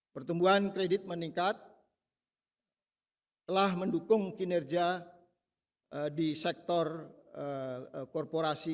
pertumbuhan kredit meningkat telah mendukung kinerja di sektor korporasi